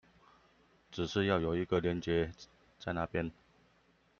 只是要有一個連結在那邊